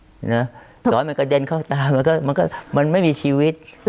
สมมุติมันกระเด็นเข้าตามันไม่มีชีวิต